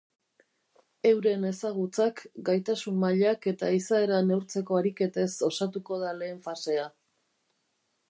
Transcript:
Euren ezagutzak, gaitasun-mailak eta izaera neurtzeko ariketez osatuko da lehen fasea.